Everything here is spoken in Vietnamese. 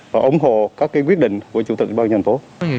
và ủng hộ các quyết định của chủ tịch địa bàn nhân phố